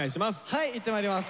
はい行ってまいります。